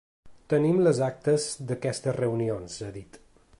Tenim les actes d’aquestes reunions, ha dit.